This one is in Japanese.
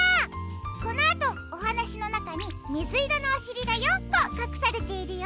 このあとおはなしのなかにみずいろのおしりが４こかくされているよ。